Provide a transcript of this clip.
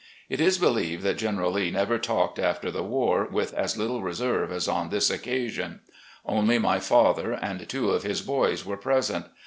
It is believed that General Lee never talked after the war with as little reserve as on this occasion. Only my father and two of his boys were present.